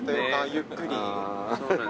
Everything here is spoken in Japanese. ゆっくり。